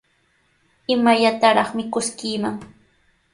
¿Imallataraq mikuskiiman?